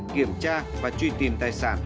kiểm tra và truy tìm tài sản